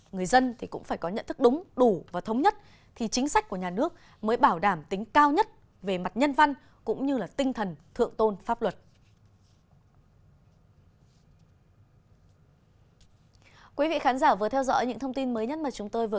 người dân cũng phải có nhận thức đúng đủ và thống nhất thì chính sách của nhà nước mới bảo đảm tính cao nhất về mặt nhân văn cũng như là tinh thần thượng tôn pháp luật